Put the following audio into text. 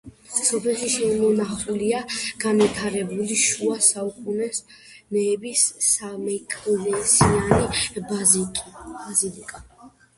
სოფელში შემონახულია განვითარებული შუა საუკუნეების სამეკლესიიანი ბაზილიკა.